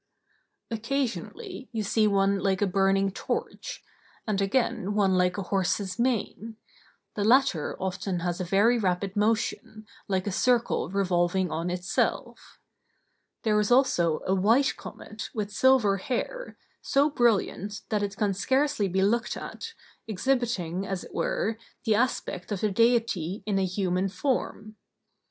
Occasionally you see one like a burning torch; and again one like a horse's mane; the latter often has a very rapid motion, like a circle revolving on itself. There is also a white comet, with silver hair, so brilliant that it can scarcely be looked at, exhibiting, as it were, the aspect of the Deity in a human form.